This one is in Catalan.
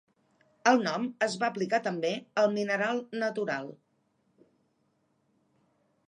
El nom es va aplicar també al mineral natural.